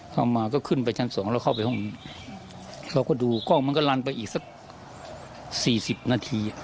เข้ามาก็ขึ้นไปชั้นสองแล้วเข้าไปห้องเขาก็ดูกล้องมันก็ลันไปอีกสักสี่สิบนาที